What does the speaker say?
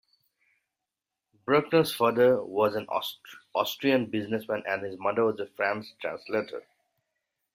Bruckner's father was an Austrian businessman and his mother a French translator.